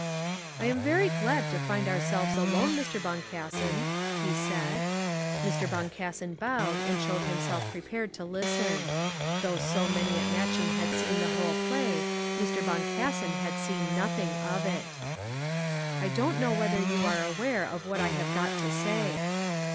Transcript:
"I am very glad to find ourselves alone, Mr. Boncassen," he said. Mr. Boncassen bowed and showed himself prepared to listen. Though so many at Matching had seen the whole play, Mr. Boncassen had seen nothing of it. "I don't know whether you are aware of what I have got to say."